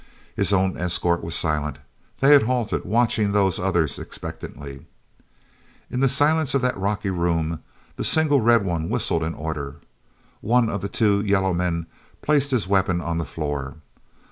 His own escort was silent; they had halted, watching those others expectantly. n the silence of that rocky room the single red one whistled an order. One of the two yellow men placed his weapon on the floor.